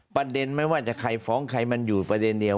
ก็กฎหมายมันเป็นอย่างนั้นเนี่ย